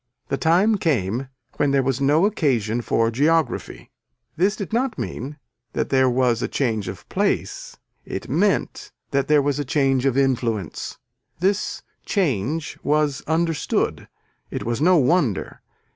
The time came when there was no occasion for geography. This did not mean that there was a change of place, it meant that there was a change of influence. This change was understood, it was no wonder.